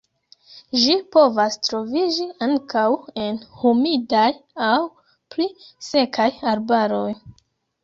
Ĝi povas troviĝi ankaŭ en humidaj aŭ pli sekaj arbaroj.